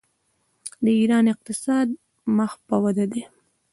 د ایران اقتصاد مخ په وده دی.